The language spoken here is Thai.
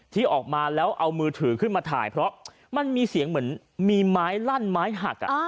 ที่ออกมาแล้วเอามือถือขึ้นมาถ่ายเพราะมันมีเสียงเหมือนมีไม้ลั่นไม้หัก